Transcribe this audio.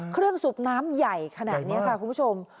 สูบน้ำใหญ่ขนาดนี้ค่ะคุณผู้ชม